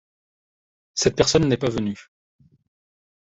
Cette personne n'est pas venue.